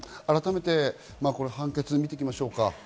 改めて判決を見ていきましょう。